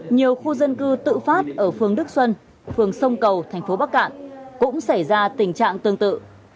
nhiều khu dân cư tự phát ở phường đức xuân phường sông cầu tp bắc cạn cũng xảy ra tình trạng tương tự